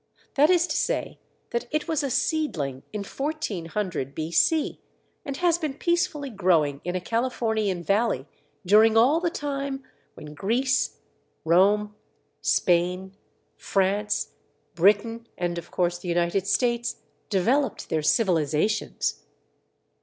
That is to say that it was a seedling in 1400 B.C., and has been peacefully growing in a Californian valley during all the time when Greece, Rome, Spain, France, Britain, and of course the United States, developed their civilizations.